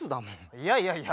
いやいやいや。